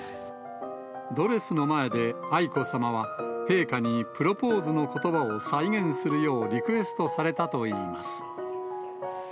ドレスの前で、愛子さまは、陛下にプロポーズのことばを再現するようリクエストされたといいます。